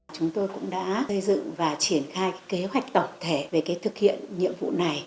chúng tôi cũng đã xây dựng và triển khai kế hoạch tổng thể về thực hiện nhiệm vụ này